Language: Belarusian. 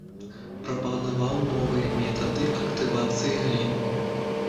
Прапанаваў новыя метады актывацыі глін.